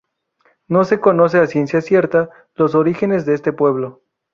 No se conocen a ciencia cierta los orígenes de este pueblo.